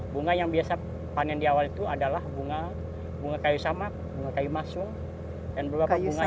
bunga yang biasa panen di awal itu adalah bunga kayu samad bunga kayu masung dan berapa bunganya